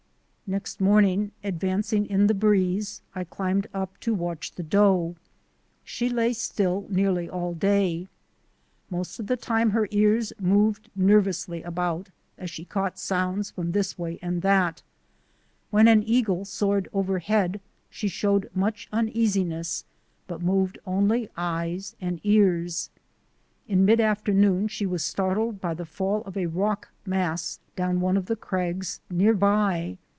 Next morning, advancing in the breeze, I climbed up to watch the doe. She lay still nearly all day. 38 THE ADVENTURES OF A NATURE GUIDE Most of the time her ears moved nervously about as she caught sounds from this way and that. When an eagle soared overhead she showed much uneasiness but moved only eyes and ears. In mid afternoon she was startled by the fall of a rock mass down one of the crags near by.